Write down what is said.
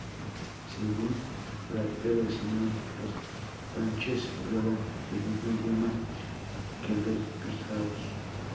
Según Fray Pedro Simón, los panches hablaban el mismo idioma que los pijaos.